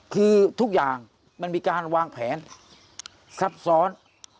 คือทุกอย่างมันมีการวางแผนซับซ้อน